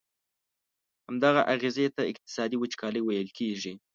همدغه اغیزي ته اقتصادي وچکالي ویل کیږي.